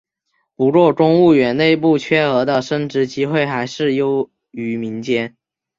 不过公务员内部缺额的升职机会还是优于民间。